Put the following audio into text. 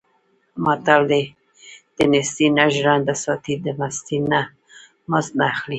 متل دی: دنېستۍ نه ژرنده ساتي، د مستۍ نه مزد نه اخلي.